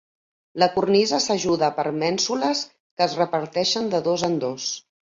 La cornisa s'ajuda per mènsules que es reparteixen de dos en dos.